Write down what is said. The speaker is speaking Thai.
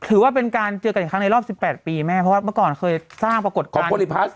คือนางสาวจริงใจกับนายสันดี